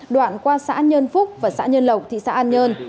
đoạn qua xã an nhơn phúc và xã nhơn lộng thị xã an nhơn